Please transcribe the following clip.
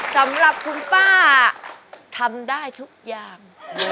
สำหรับคุณป้าทำได้ทุกอย่าง